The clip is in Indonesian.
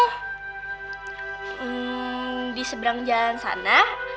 hmm di seberang jalan sana